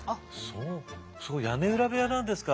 そうそこ屋根裏部屋なんですか。